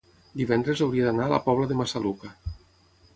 divendres hauria d'anar a la Pobla de Massaluca.